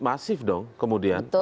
masif dong kemudian